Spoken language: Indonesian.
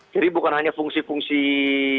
jadi bukan hanya fungsi fungsi keamanan security ya